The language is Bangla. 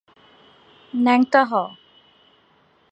নেংটা হ!